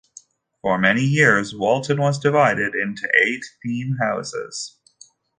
For many years Walton was divided into eight theme houses.